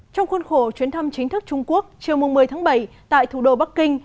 trong khuôn khổ chuyến thăm chính thức trung quốc chiều một mươi tháng bảy tại thủ đô bắc kinh